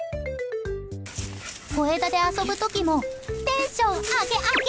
小枝で遊ぶ時もテンション上げ上げ。